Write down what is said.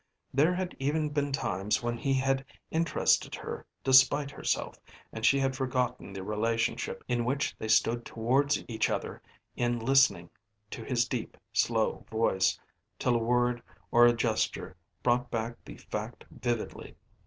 There had even been times when he had interested her despite herself, and she had forgotten the relationship in which they stood towards each other in listening to his deep, slow voice, till a word or a gesture brought back the fact vividly.